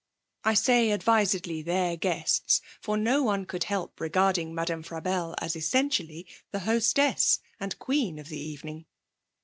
(I say advisedly their guests, for no one could help regarding Madame Frabelle as essentially the hostess, and queen of the evening.)